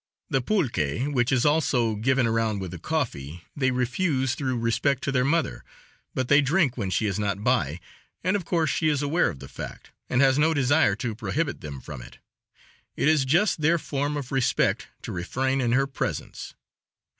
The pulque, which is also given around with the coffee, they refuse through respect to their mother; but they drink when she is not by, and of course she is aware of the fact, and has no desire to prohibit them from it. It is just their form of respect to refrain in her presence.